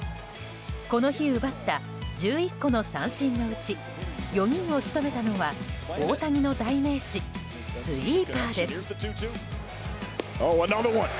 この日奪った１１個の三振のうち４人を仕留めたのは大谷の代名詞スイーパーです。